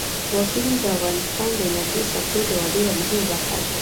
وګړي د افغانستان د انرژۍ سکتور یوه ډېره مهمه برخه ده.